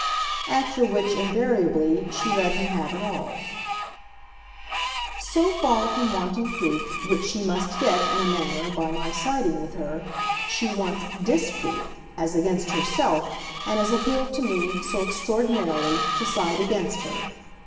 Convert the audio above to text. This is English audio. After which, invariably, she let him have it all. "So far from wanting proof which she must get, in a manner, by my siding with her she wants DISproof, as against herself, and has appealed to me, so extraordinarily, to side against her.